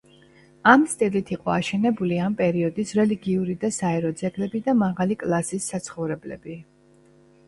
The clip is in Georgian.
ამ სტილით იყო აშენებული ამ პერიოდის რელიგიური და საერო ძეგლები და მაღალი კლასის საცხოვრებლები.